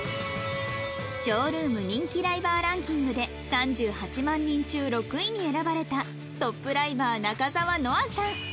ＳＨＯＷＲＯＯＭ 人気ライバーランキングで３８万人中６位に選ばれたトップライバー仲沢のあさん